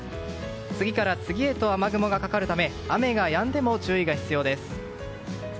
次から次へと雨雲がかかるため雨がやんでも注意が必要です。